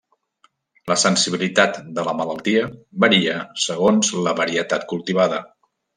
La sensibilitat de la malaltia varia segons la varietat cultivada.